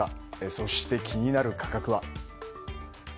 そして、気になる価格は？